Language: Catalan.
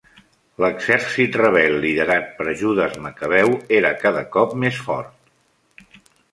L'exèrcit rebel liderat per Judes Macabeu era cada cop més fort.